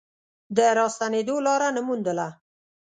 د راستنېدو لاره نه موندله.